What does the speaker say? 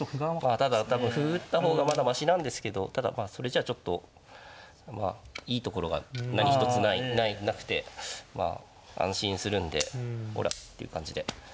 まあただ多分歩打った方がまだましなんですけどただまあそれじゃちょっとまあいいところが何一つなくてまあ安心するんでおらっていう感じで。